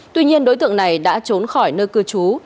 tuy nhiên đối tượng này đã trốn khỏi nơi cư trú